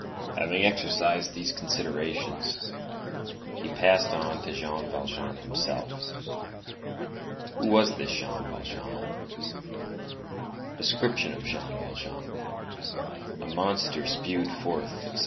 Having exhausted these considerations, he passed on to Jean Valjean himself. Who was this Jean Valjean? Description of Jean Valjean: a monster spewed forth, etc.